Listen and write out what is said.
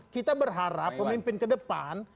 kita berharap pemimpin ke depan